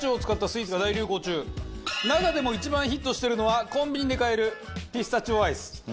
中でも一番ヒットしてるのはコンビニで買えるピスタチオアイス。